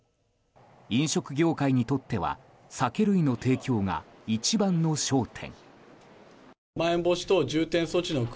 飲食業界にとっては酒類の提供が一番の焦点。